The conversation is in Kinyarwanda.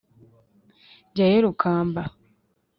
jyayo rukamba